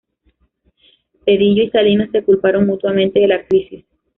Zedillo y Salinas se culparon mutuamente de la crisis.